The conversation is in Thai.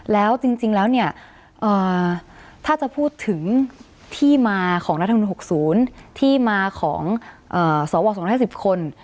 แล้วจริงแล้วเนี่ยถ้าจะพูดถึงที่มาของรัฐมนุน๖๐ที่มาของสว๒๕๐คน